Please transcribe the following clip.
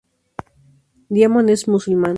Diamond es musulmán.